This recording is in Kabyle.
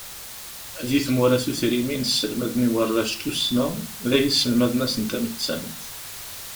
Di tmura tutrimin selmaden i warrac tussna, dagi selmaden-asen tamettant.